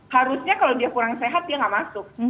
harusnya kalau dia kurang sehat dia nggak masuk